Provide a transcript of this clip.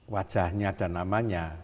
wajahnya dan namanya